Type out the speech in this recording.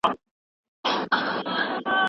موږ په کمپيوټر کي کار کوو.